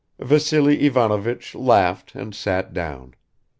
Vassily Ivanovich laughed and sat down.